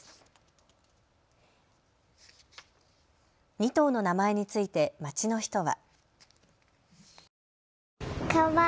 ２頭の名前について街の人は。